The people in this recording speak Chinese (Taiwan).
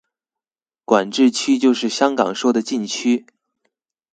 管制區就是香港說的禁區